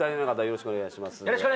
よろしくお願いします！